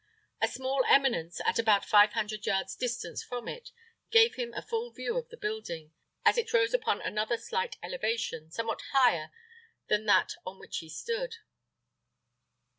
A small eminence, at about five hundred yards' distance from it, gave him a full view of the building, as it rose upon another slight elevation, somewhat higher than that on which he stood.